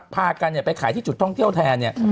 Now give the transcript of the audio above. พากันไปขายที่จุดท่องเที่ยวแทนเนี่ย